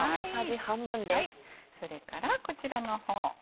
それからこちらの方。